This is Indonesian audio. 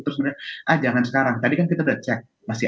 terus mereka bilang ah jangan sekarang tadi kan kita sudah cek